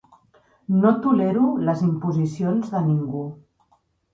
No tolero les imposicions de ningú.